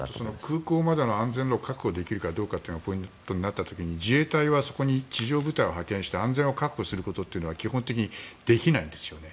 空港までの安全を確保できるかがポイントになった時に自衛隊は、そこに地上部隊を派遣して、安全を確保することは基本的にできないんですよね。